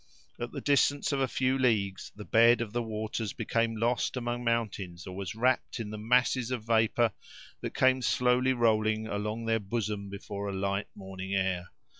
At the distance of a few leagues, the bed of the water became lost among mountains, or was wrapped in the masses of vapor that came slowly rolling along their bosom, before a light morning air.